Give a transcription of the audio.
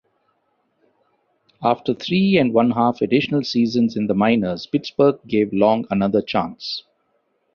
After three and one-half additional seasons in the minors, Pittsburgh gave Long another chance.